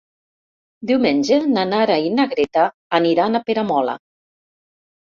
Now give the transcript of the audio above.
Diumenge na Nara i na Greta aniran a Peramola.